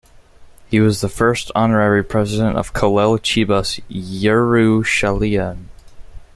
He was the first Honorary President of Kolel Chibas Yerushalayim.